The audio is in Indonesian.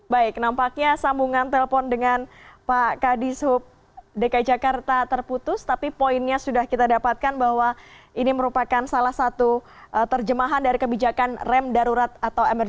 baik nampaknya sambungan telepon dengan pak kadis hub dki jakarta